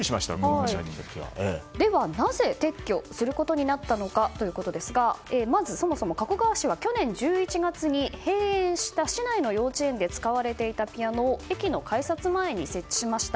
ではなぜ、撤去することになったのかですがまず、そもそも加古川市は去年１１月に閉園した市内の幼稚園で使われていたピアノを駅の改札前に設置しました。